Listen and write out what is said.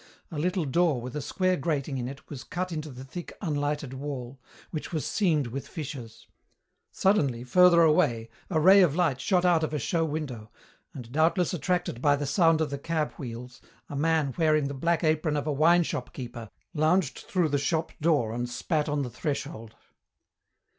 A little door with a square grating in it was cut into the thick unlighted wall, which was seamed with fissures. Suddenly, further away, a ray of light shot out of a show window, and, doubtless attracted by the sound of the cab wheels, a man wearing the black apron of a wineshop keeper lounged through the shop door and spat on the threshold.